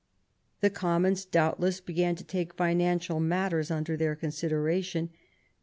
The Commons doubtless began to take financial matters under their consideration, but.